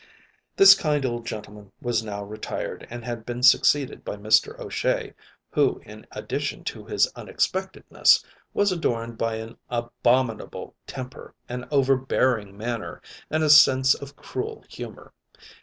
This kind old gentleman was now retired and had been succeeded by Mr. O'Shea, who, in addition to his unexpectedness, was adorned by an abominable temper, an overbearing manner, and a sense of cruel humor.